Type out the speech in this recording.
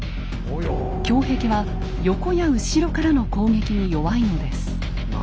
胸壁は横や後ろからの攻撃に弱いのです。